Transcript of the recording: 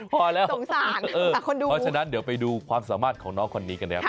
เพราะฉะนั้นเดี๋ยวไปดูความสามารถของน้องคนนี้กันนะครับ